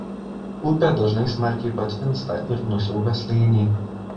Upė dažnai smarkiai patvinsta ir nusiaubia slėnį.